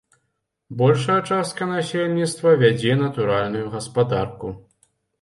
Большая частка насельніцтва вядзе натуральную гаспадарку.